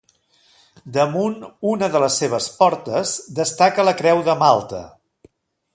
Damunt una de les seves portes destaca la creu de Malta.